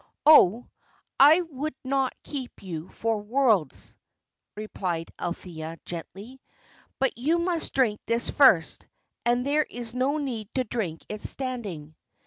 "Oh, I would not keep you for worlds," replied Althea, gently. "But you must drink this first; and there is no need to drink it standing."